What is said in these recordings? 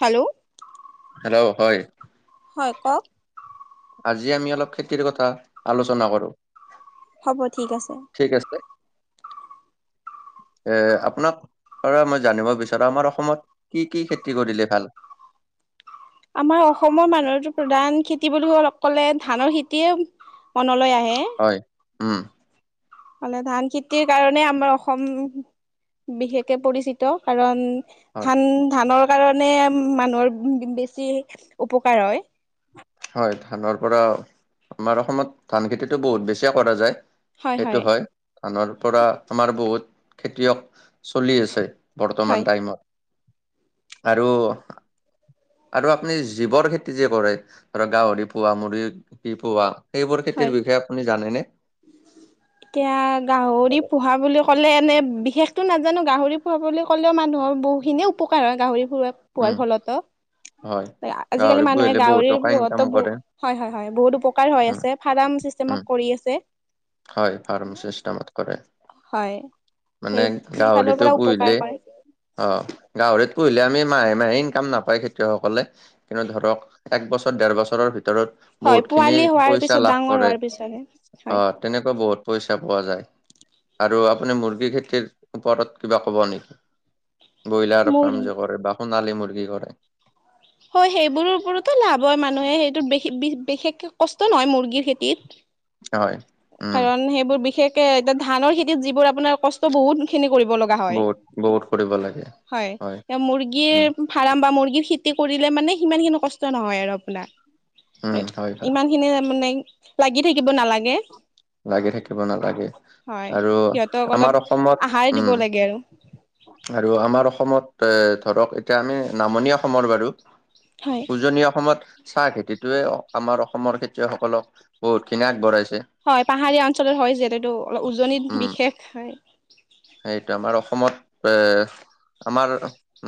Hello. Hello, হয়। হয়, কক। আজি আমি অলপ খেতিৰ কথা, আলোচনা কৰো। হ'ব, ঠিক আছে। ঠিক আছে। এ, আপোনাক পৰা মই জানিব বিচাৰা, আমাৰ অসমত কি কি খেতি কৰিলে ভাল?। আমাৰ অসমৰ মানুহতো প্ৰধান খেতি বুলি অকলে ধানৰ খেতিয়ে মনলৈ আহে। হয় উম। হলে ধান খেতিৰ কাৰণে আমাৰ অসম বিশেষকে পৰিচিত কাৰণ হয় ধান ধানৰ কাৰণে মানুহৰ বেছি উপকাৰ হয়। হয় ধানৰ পৰা আমাৰ অসমত ধান খেতিটো বহুত বেছিয়ে কৰা যায়। সেইটো হয় ধানৰ পৰা আমাৰ বহুত খেতিয়ক চলি আছে। হয় বৰ্তমান টাইমত আৰু আৰু আপুনি জীৱৰ খেতি যে কৰে ধৰক গাহৰি পোহা মুৰ্গী পোহা সেইবোৰ হয়। খেতিৰ বিষয়ে আপুনি জানেনে? এতিয়া গাহৰি পোহা বুলি ক'লে এনে বিশেষতো নাজানো গাহৰি পোহা বুলি ক'লেও মানুহৰ বহুত খিনিয়ে উপকাৰ হয়, গাহৰি ফু, উম পোৱাৰ ফল ত'। হয় আজিকালি গাহৰি মানুহে পুহিলে বহুত গাহৰি টকা ইনকাম পোহাতো ব কৰে হয়-হয়-হয়, বহুত উপকাৰ হৈ উম আছে, ফাৰাম উম, চিষ্টেমত কৰি আছে। হয়, ফাৰাম চিষ্টেমত কৰে। হয় সেই মানে সেইফালৰ গাহৰিতো পৰা উপকাৰ পুহিলে কৰে অ', গাহৰিত পুহিলে আমি মাহে-মাহে ইনকাম নাপায় খেতিয়কসকলে। কিন্তু ধৰক এক বছৰ ডেৰ বছৰৰ ভিতৰত হয় বহুত খিনি পোৱালি হোৱাৰ পইচা পিছত লাভ ডাঙৰ কৰে হোৱাৰ পিছতহে হয় শেষত তেনেকুৱা বহুত পইচা পোৱা যায়। আৰু আপুনি মুৰ্গী খেতিৰ ওপৰত কিবা ক'ব নেকি? ব্ৰইলাৰ ফাৰ্ম মুৰ্গী যে কৰে বা সোণালী মুৰ্গী কৰে। হয় সেইবোৰৰ ওপৰতো লাভ হয় মানুহে সেইটোত [unintelligible] বিশেষকৈ কষ্ট নহয় মুৰ্গীৰ খেতিত। [inaudible] উম, কাৰণ সেইবোৰ বিশেষকে এতিয়া ধানৰ খেতিত যিবোৰ আপোনাৰ কষ্ট বহুত খিনি কৰিব লগ গা হয় বহুত বহুত কৰিব লাগে হয় উম, মুৰ্গীৰ ফাৰ্ম বা মুৰ্গীৰ খেতি কৰিলে মানে সিমান খিনি কষ্ট নহয় আৰু আপোনাৰ। উম হয় হয় ইমান খিনি মানে লাগি থাকিব নালাগে। লাগি থাকিব নালাগে হয় আৰু সিহঁতক অলপ আমাৰ অসমত আহাৰ উম দিব লাগে আৰু। আৰু আমাৰ অসমত এ ধৰক এতিয়া আমি নামনি অসমৰ বাৰু হয় উজনি অসমত ছাহ খেতিতোৱে আমাৰ অসমৰ খেতিয়কসকলক বহুতখিনি আগবঢ়াইছে হয় পাহাৰীয়া অঞ্চলত হয় যিহেতু অলপ উজনিত উম বিশেষ হয়। সেইটো আমাৰ অসমত এ আমাৰ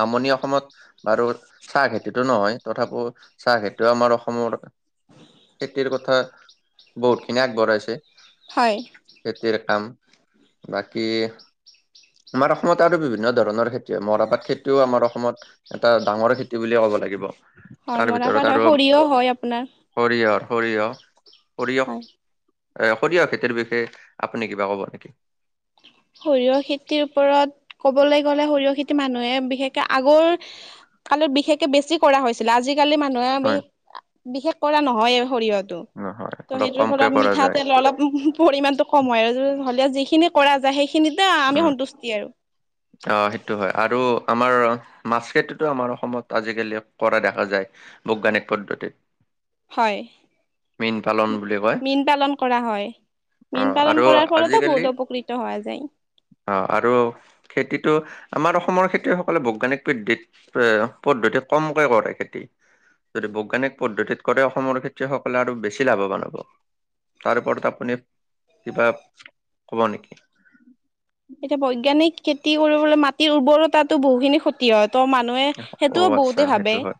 নামনি অসমত বাৰু ছাহ খেতিটো নহয় তথাপিওঁ ছাহ খেতিও আমাৰ অসমৰ [unintelligible] খেতিৰ কথা বহুতখিনি আগবঢ়াইছে। হয়। খেতিৰ কাম বাকী। আমাৰ অসমত আৰু বিভিন্ন ধৰণৰ খেতি হয় মৰাপাট খেতিও আমাৰ অসমত। এটা ডাঙৰে খেতি বুলিয়ে ক'ব লাগিব। হয় তাৰ মৰাপাট ভিতৰত হয় আৰু সৰিয়হ হয় আপোনাৰ সৰিয়হ সৰিয়হ সৰিয়হ। হয় এ সৰিয়হ খেতিৰ বিষয়ে আপুনি কিবা কব নেকি সৰিয়হ খেতিৰ ওপৰত ক'বৈ। গ'লে সৰিয়হ খেতি মানুহে বিশেষকে আগৰ কালত বিশেষকে বেছি কৰা হৈছিলে আজিকালি মানুহ। মানুহে আমি হয় বিশেষ কৰা নহয় সৰিয়হ। ত নহয়। তো অলপ সেইটো কমকে ফলত কৰা মিঠা যায় তেলৰ অলপ পৰিমাণটো। কমুৱাই আৰু কোন হলেও যিখিনি কৰা যায় সেইখিনিতে আমি সন্তুষ্টি আৰু। অহ সেইটো হয়। আৰু আমাৰ মাছ খেতিতো আমাৰ অসমত আজিকালি কৰা দেখা যায়। বৈজ্ঞানিক পদ্ধতিত। হয় মীন পালন বুলি কয় মীন পালন কৰা হয়। অ মীন আৰু পালন কৰাৰ ফলতো বহুত উপকৃত হোৱা যায়। অহ আৰু খেতিটো আমাৰ অসমৰ খেতিয়কসকলে বৈজ্ঞানিক পদ্ধিত। এ পদ্ধতি কমকে কৰে খেতি যদি বৈজ্ঞানিক পদ্ধতিত কৰে অসমৰ খেতি। কলাটো বেছি লাভৱান হ'ব। তাৰ ওপৰত আপুনি কিবা কব নেকি। এতিয়া বৈজ্ঞানিক খেতি কৰিবলৈ মাটিৰ উৰ্বৰতা বহুখিনি ক্ষ ক্ষতি হয় তো মানুহে অ সেইটোও আচ্ছা বহুতে সেইটো ভাৱে। হয়।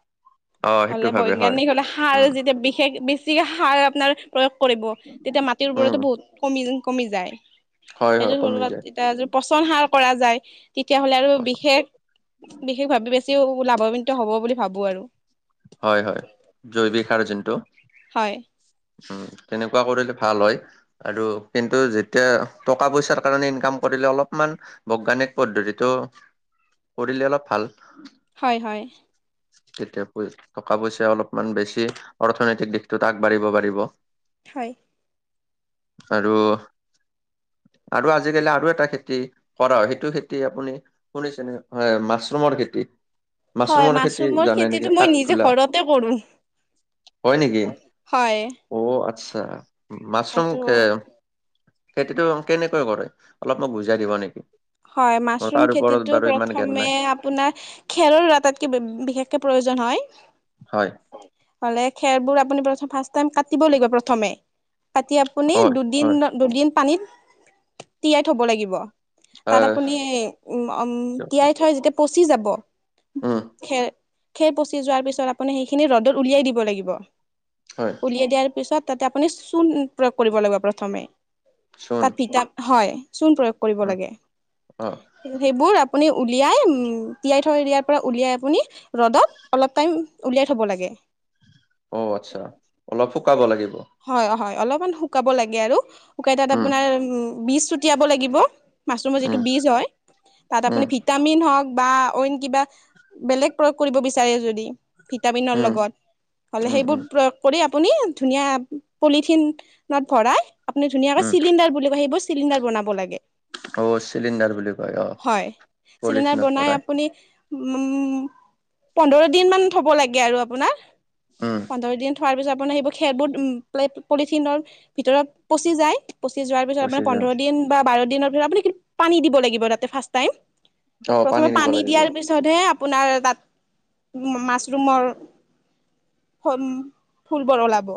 অ সেইটো হলে ভাবে হয় বৈজ্ঞানিক হলে সাৰ উম। যেতিয়া বিশেষ বেছিকে সাৰ আপোনাৰ প্ৰয়োগ কৰিব। তেতিয়া মাটিৰ উম, ওপৰতো বহুত। কমি কমি যায় হয় হয় কমি সেইযোৰত যায় এতিয়াৰ পচন সাৰ কৰা যায়। তেতিয়া হ'লে আৰু পচন বিশেষ বিশেষভাৱে বেছিওলাব আমিতো হ'ব বুলি ভাবোঁ আৰু। হয় হয় জৈৱিক সাৰ যোনটো। হয়। উম তেনেকুৱা কৰিলে ভাল হয়। আৰু কিন্তু যেতিয়া টকা পইচাৰ কাৰণে ইনকাম কৰিলে অলপমান। বৈজ্ঞানিক পদ্ধতিটো কৰিলে অলপ ভাল। হয় হয়। তেতিয়া। হয় টকা পইচা অলপমান বেছি অৰ্থনৈতিক দিশটোত আগবাঢ়িব পাৰিব। হয়। আৰু। আৰু আজিকালি আৰু এটা খেতি কৰা হয় সেইটো খেতি আপুনি। শুনিছে নে হয় মাছৰুমৰ খেতি। হয় খেতি মাছৰুমৰ জানে নেকি খেতিতো। মই নিজে কাঠফুলা ঘৰতে কৰোঁ হয়। অও আচ্ছা মাছৰুম খে এইটো খেতিটো কেনেকৈ কৰে অলপ মোক বুজাই দিব নেকি। হয় মোৰ মাছৰুম তাৰ ওপৰত খেতিতো বাৰু ইমান জ্ঞান প্ৰথমে নাই। আপোনাৰ। খেলৰ আটাইতকৈ বে বিশেষকে প্ৰয়োজন হয় হয় হলে খেৰবোৰ আপুনি প্ৰথ ফাৰ্ষ্ট টাইম কাটিব লাগিব প্ৰথমে পাটি আপুনি হয়, দুদিন হয়, দুদিন পানীত তিয়াই থব লাগিব তাত আহ আপুনি উম আম কিয় ক- তিয়াই থৈ যেতিয়া পচি যাব উম, খেৰ খেৰ পচি যোৱাৰ পিছত আপুনি সেইখিনি ৰ'দত উলিয়াই দিব লাগিব হয় উলিয়াই দিয়াৰ পিছত তাতে আপুনি চূণ প্ৰয়োগ কৰিব লাগিব প্ৰথমে চোন তাত ভিটা হয় চূণ প্ৰয়োগ কৰিব উম, লাগে অ সেইবোৰ আপুনি উলিয়াই উম তিয়াই থৈ দিয়াৰ পৰা উলিয়াই আপুনি ৰ'দত অলপ টাইম উলিয়াই থ'ব লাগে অ আচ্ছা অলপ শুকাব লাগিব হয় হয় অলমান শুকাব লাগে আৰু শুকাই তাত উম, আপোনাৰ বীজ ছোটিয়াব লাগিব মাছৰুমৰ উম, যিটো বীজ হয় তাত আপুনি উম, ভিটামিন হওক বা অইন কিবা বেলেগ প্ৰয়োগ কৰিব বিচাৰে যদি ভিটামিনৰ উম, লগত হলে উম, সেইবোৰ উম, প্ৰয় কৰি আপুনি ধুনীয়া পলিথিনত ভৰাই আপুনি ধুনীয়াকে উম, চিলিণ্ডাৰ বুলি কয় সেইবোৰ চিলিণ্ডাৰ বনাব লাগে অ', চিলিণ্ডাৰ বুলি কয় অ'। হয় চিলিণ্ডাৰ পলিথিনত বনাই ভৰাই আপুনি উম পন্ধৰ দিন মান থ'ব লাগে আৰু আপোনাৰ উম পোন্ধৰ দিন থোৱাৰ পিছত আপুনি সেইবোৰ খেৰবোৰ পলিথিনৰ ভিতৰত পচি যায় পঁচিযোৱাৰ পিছত গুচি আপোনাৰ যাম পন্ধৰ দিন বা বাৰ দিনৰ পাছত আপুনি কিন্তু পানী দিব লাগ তাতে ফাৰ্ষ্ট টাইম অ', প্ৰথমে দিব পানী লাগিব দিয়াৰ পিছতহে আপোনাৰ তাত মা মাছৰুমৰ ফ উম ফুলবৰ ওলাব।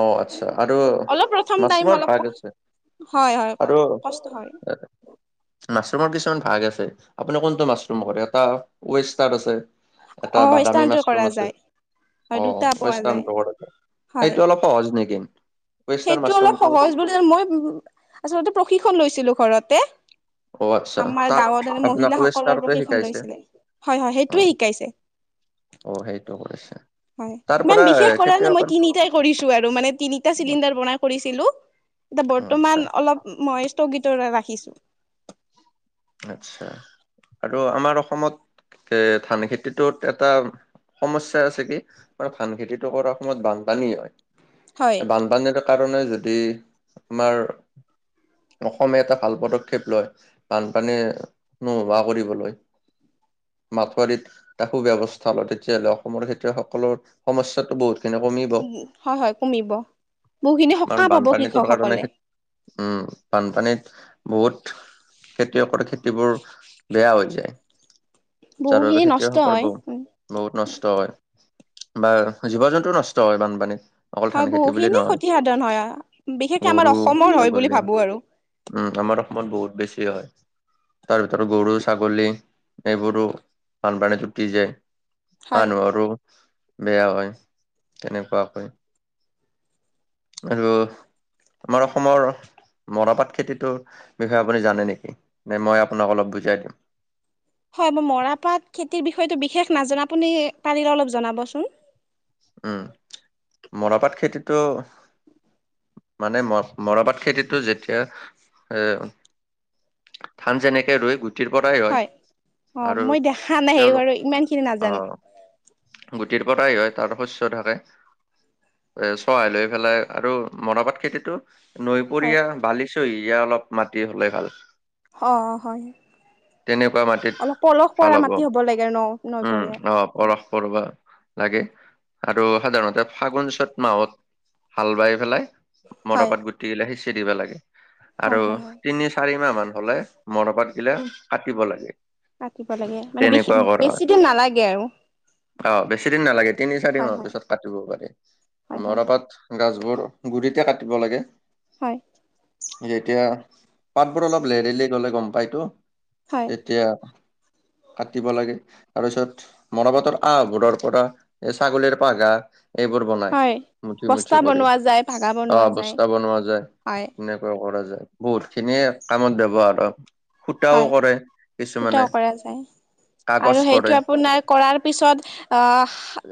অ', আচ্ছা আৰু অলপ প্ৰথম টাইম মাছৰুমৰ অলপ ভাগ আছে। হয়, হয়, আৰু কষ্ট হয়। এ, মাছৰুমৰ কিছুমান ভাগ আছে আপুনি কোনটো মাছৰুম কৰে এটা ৱেষ্টাদ আছে। অ এটা বাদামী স্থানান্তৰ কৰা মাছৰুম আছে যায় হয় দুটা অ', পোৱা যায় ৱেষ্টাণটো কৰে হয় সেইটো অলপ সহজ নিকি? সেইটো অলপ সহজ বুলি মই আচলতে প্ৰশিক্ষন লৈছিলো ঘৰতে অ আচ্ছা আমাৰ তাত গাঁৱত এনে আপোনাক মহিলাসকলৰ ৱেষ্টাৰটোৱে প্ৰশিক্ষণ শিকাইছে লৈছিলে হয় হয় অ সেইটোৱে শিকাইছে অ সেইটো কৰিছে হয় তাৰ ইমান পৰা এ, বিশেষ কৰা নাই মই খেতিয়কৰ তিনিটাই কৰিছো আৰু মানে তিনিটা চিলিণ্ডাৰ বনাই কৰিছিলো এতিয়া অ আচ্ছা বৰ্তমান অলপ মই স্থগিত ৰাখিছো। আচ্ছা আৰু আমাৰ অসমত এ ধান খেতিটোত এটা সমস্যা আছে কি মানে ধান খেতিটো কৰাৰ সময়ত বানপানী হয় বান পানীৰ কাৰণে যদি আমাৰ অসমে এটা ভাল পদক্ষেপ লয় বানপানী নোহোৱা কৰিবলৈ মাঠুৱাৰীত এটা সু ব্যৱস্থা লয় তেতিয়াহ'লে অসমৰ খেতিয়কসকলৰ সমস্যাটো বহুত তেনে কমিব হয় হয় কমিব বহুখিনি সকাহ আৰু পাব বানপানীটোৰ কাৰণে কৃষকসকলে উম, বানপানীত বহুত খেতিয়কৰ খেতিবোৰ বেয়া হৈ যায় যাৰ বাবে বহুখিনি নষ্ট খেতিয়কসকল হয়। বহু বহুত নষ্ট হয়, বা জীৱ জন্তু নষ্ট হয় বানপানীত। অকল হয় ধান খেতি বুলি বহুখিনি নহয়, ক্ষতিসাধন হয় বিশেষকে আমাৰ গৰু অসমৰ হয় বুলি ছাগলী ভাবো আৰু উম, আমাৰ অসমত বহুত বেছি হয়। তাৰ ভিতৰত গৰু ছাগলী এইবোৰো বানপানী উতি যায়। হয়। মানুহৰো বেয়া হয় তেনেকুৱা কৈ। আৰু আমাৰ অসমৰ- মৰপাট খেতিটোৰ বিষয়ে আপুনি জানে নেকি নে? মই আপোনাক অলপ বুজাই দিম। হয়, মই মৰাপাট খেতিৰ বিষয়টো বিশেষ নাজানো আপুনি পাৰিলে অলপ জনাবচোন। উম, মৰাপাট খেতিটো মানে ম মৰাপাট খেতিতো যেতিয়া এ ধান যেনেকে ৰুৱে পৰাই হয় অ আৰু মই দেখা নাই তেওঁলোক বাৰু ইমান খিনি নাজানো। আহ গুটিৰ পৰাই হয়, তাৰ শস্য থাকে, চহাই লৈ পেলাই আৰু মৰাপাত খেতিটো হয় নৈপৰীয়া বালিচহিয়া অলপ মাটি হলে ভাল। অ', হয়। তেনেকুৱা মাটিত অলপ পলস পৰা মাতি হ'ব লাগে আৰু ন' নৈপৰিয়াত? কৰবা লাগে আৰু সাধাৰণতে ফাগুন চ'ত মাহত হাল বাই পেলাই হয় মৰাপাত গুটি গিলা সিচি দিব লাগে আৰু হয় হয় হয় তিনি চাৰি মাহ মান হলে- মৰাপাত গিলা কাটিব লাগে। কাটিব লাগে মানে তেনেকুৱা কৰা বেছি হয় দিন নালাগে আৰু অ', বেছি দিন নালাগে, তিনি চাৰি হয় মাহৰ হয় পিছত পাতিবও পাৰি। হয় হয় মৰাপাত গছবোৰ গুৰিতে কাটিব লাগে। হয়। যেতিয়া পাতবোৰ অলপ লেৰেলি গলে গম পাই তো। হয় তেতিয়া- কাটিব লাগে। তাৰপিছত মৰাপাতৰ আহবোৰৰ পৰা এ ছাগলীৰ পঘা- এইবোৰ বনাই হয় মুঠি বস্তা মুঠি কৰি। বনোৱা যায় ভাগা অ বনোৱা যায় বস্তা বনোৱা যায়, হয় এনেকুৱা কৰা যায় বহুত খিনিয়ে কামত ব্যৱহাৰ হয়। সূতাও হয় কৰে কিছুমানে সটাও কৰা যায় কাগজ আৰু কৰে সেইটো আপোনাৰ কৰাৰ পিছত অ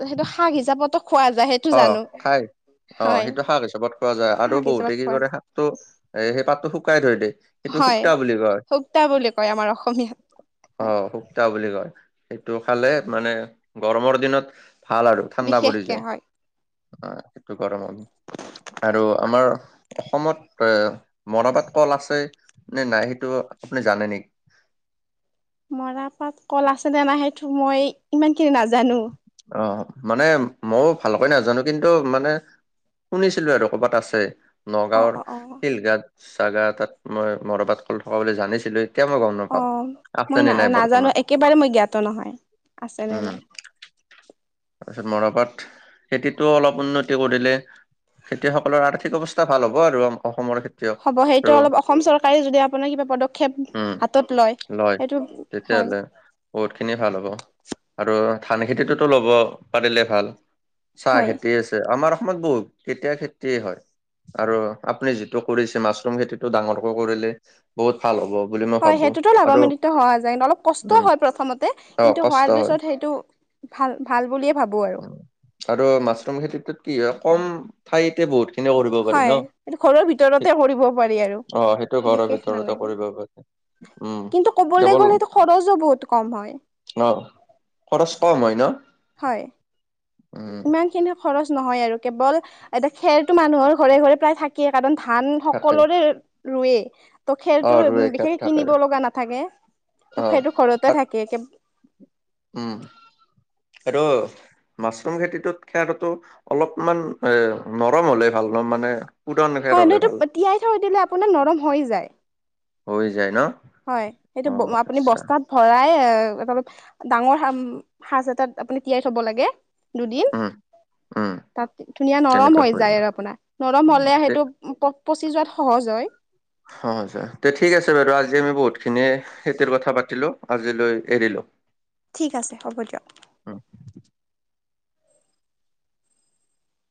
সেইটো শাক হিচাপতো খোৱা যায়। সেইটো অ জানো খাই, অ হয় সেইটো শাক হিচাপত খোৱা যায় আৰু শাক বহুতে হিচাপত কি খোৱা কৰে যায় শাক তো এ সেই পাতটো শুকাই থৈ দিয়ে। সেইটো হয় শুক্তা বুলি কয় সুকটা বুলি কয় আমাৰ অসমীয়া অ সুকটা বুলি কয়, সেইটো খালে মানে গৰমৰ দিনত ভাল আৰু ঠাণ্ডা পৰি বিশেষকে যায়, হয় অ সেইটো গৰমত আৰু আমাৰ অসমত এ মৰাপাট ক'ল আছে। নে নাই সেইটো আপুনি জানে নেকি? মৰা পাত কল আছে নে নাই সেইটো মই ইমানখিনি নাজানো। অ', মানে মইও ভালকৈ নাজানো কিন্তু মানে শুনিছিলো আৰু ক'ৰবাত আছে। অ', নগাঁওৰ অ', অ', শিলগাট জাগা এটাত মই মৰাপাত কল থকা বুলি জানিছিলো। এতিয়া মই গম অ নাপাওঁ। আছে মই নে নাই ন বৰ্তমান নাজানো একেবাৰে মই জ্ঞাত নহয় আছে নে উম নাই। [inaudible] তাৰপিছত মৰাপাট খেতিটো অলপ উন্নতি কৰিলে। খেতিয়কসকলৰ আৰ্থিক অৱস্থা ভাল হ'ব আৰু। অসমৰ খেতিয়ক হ'ব, আৰু সেইটো অলপ অসম চৰকাৰে যদি আপোনাৰ কিবা পদক্ষেপ উম হাতত লয়। সেইটো হয়। তেতিয়াহ'লে বহুত খিনি ভাল হ'ব আৰু ধান খেতিটোতো ল'ব। পাৰিলে ভাল। চাহ হয়। খেতি আছে, আমাৰ অসমত বহুত এতিয়া খেতিয়ে হয়। আৰু আপুনি যিটো কৰিছে, মাছৰুম খেতিটো ডাঙৰকৈ কৰিলে বহুত ভাল হ'ব বুলি মই হয়, ভাবো সেইটোতো আৰু লাভান্বিত হোৱা যায়। অলপ কষ্টও উম হয় প্ৰথমতে। অ কিন্তু কষ্ট হোৱাৰ হয় পিছত সেইটো ভাল ভাল বুলিয়ে ভাবোঁ আৰু। আৰু মাছৰুম খেতিটোত কি হয়, কম ঠাইতে বহুত খিনি কৰিব পাৰি হয়, ন এইটো ঘৰৰ ভিতৰতে কৰিব পাৰি আৰু অ সেইটো ঘৰৰ বিশেষ ভিতৰতে নালাগে। কৰিব পাৰি উম কিন্তু ক'বলৈ গ'লে সেইটো খৰচো বহুত কম হয়। অঁ, খৰচ কম হয় ন। হয়। উম। ইমানখিনিও খৰচ নহয় আৰু। কেৱল এতিয়া খেৰটো মানুহৰ ঘৰে ঘৰে প্ৰায় থাকেই, কাৰণ ধান থাকে সকলোৰে ৰুবে, ত' অ খেৰতো দুই একাত বিশেষকে থাকে কিনিব লগা নাথাকে। ত' অ' খেৰটো ঘৰতে থাকে উম, সেইটো মাছৰুম খেতিটোত খেৰতো অলপমান এ নৰম হলে ভাল ন মানে? পুৰণ খেৰ হয় নহয়, হ'লে ভাল এইটো তিয়াই থৈ দিলে আপোনাৰ নৰম হৈ যায়। হৈ যায় ন? হয়, সেইটো অ', আপুনি আচ্ছা, বস্তাত ভৰাই [unintelligible] ডাঙৰ সাজ এটাত আপুনি তিয়াই থ'ব লাগে। দুদিন। উম, উম। তাত ধুনীয়া নৰম তেনেকুৱা হৈ হয়। যায় আৰু আপোনাৰ, নৰম হ'লে সেইটো পচি যোৱাত সহজ হয়। [unintelligible] ঠিক আছে বাৰু আজি আমি বহুতখিনি খেতিৰ কথা পাতিলোঁ, আজিলৈ এৰিলোঁ। ঠিক আছে, হ'ব দিয়ক।